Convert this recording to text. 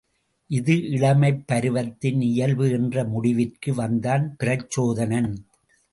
இது இளமைப் பருவத்தின் இயல்பு என்ற முடிவிற்கு வந்தான் பிரச்சோதனன்.